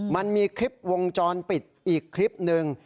มันมีคลิปวงจรปิดอีกคลิปหนึ่ง